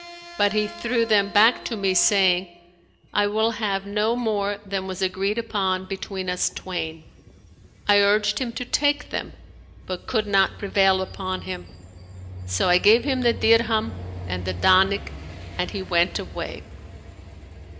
But he threw them back to me saying, I will have no more than was agreed upon between us twain.' I urged him to take them, but could not prevail upon him; so I gave him the dirham and the danik, and he went away.